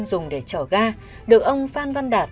dùng để chở gà được ông phan văn đạt